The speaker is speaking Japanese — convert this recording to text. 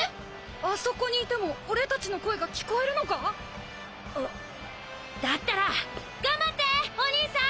あそこにいても俺たちの声が聞こえるのか⁉だったら頑張っておにいさん！